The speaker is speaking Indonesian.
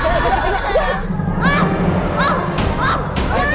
jangan jangan jangan